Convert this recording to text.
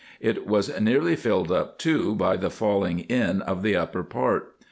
It was nearly filled up too by the falling in of the upper part.